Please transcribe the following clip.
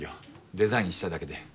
デザインしただけで。